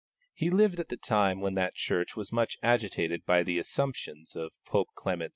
He lived at the time when that Church was much agitated by the assumptions of Pope Clement XI.